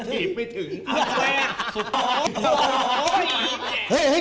พูดว่าอะไรพูดว่า